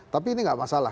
tapi ini gak masalah